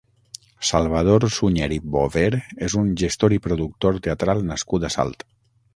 Salvador Sunyer i Bover és un gestor i productor teatral nascut a Salt.